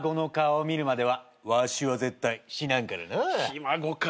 ひ孫か。